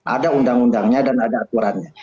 ada undang undangnya dan ada aturannya